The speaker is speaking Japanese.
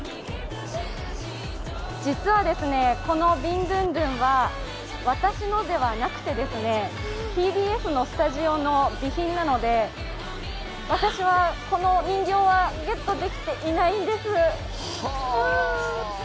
実は、このビンドゥンドゥンは私のではなくてＴＢＳのスタジオの備品なので、私はこの人形はゲットできていないんです。